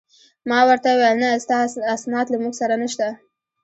ما ورته وویل: نه، ستا اسناد له موږ سره نشته.